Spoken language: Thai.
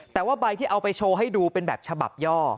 แต่ว่าใบที่เอาไปโชว์ให้ดูเป็นแบบฉบับย่อ